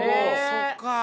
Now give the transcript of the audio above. そっか！